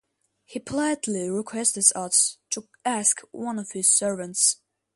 He politely requested us to ask one of his servants.